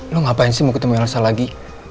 lo ngapain sih mau ketemu elsa lagi